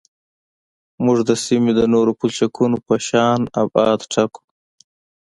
موږ د سیمې د نورو پلچکونو په شان ابعاد ټاکو